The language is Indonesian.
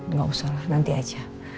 nggak usah lah nanti aja